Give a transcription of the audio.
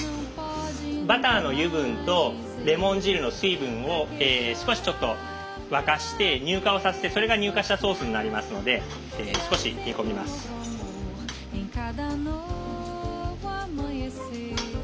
バターの油分とレモン汁の水分を少しちょっと沸かして乳化をさせてそれが乳化したソースになりますので少し煮込みます。